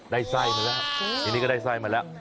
ได้ไส้มาแล้วทีนี้ก็ได้ไส้มาแล้ว